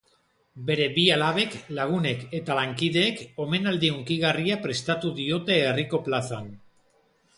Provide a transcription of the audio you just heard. Bere bi alabek, lagunek eta lankideek omenaldi hunkigarria prestatu diote herriko plazan.